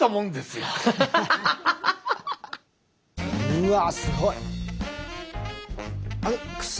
うわすごい。